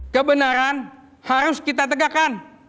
kebenaran harus kita tegakkan